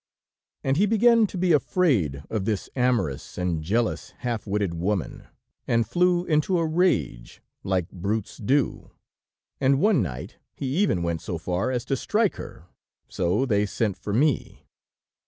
"And he began to be afraid of this amorous and jealous, half witted woman, and flew into a rage, like brutes do; and one night, he even went so far as to strike her, so they sent for me.